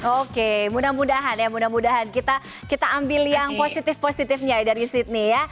oke mudah mudahan ya mudah mudahan kita ambil yang positif positifnya ya dari sydney ya